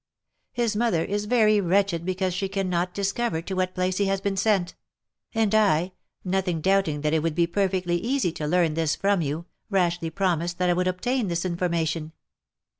His mother is very "wretched because she cannot discover to what place he has been sent ; and I, nothing doubting that it would be perfectly easy to learn this from you, rashly promised that I would obtain this information.